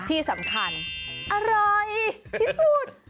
ที่สำคัญอร่อยที่สุด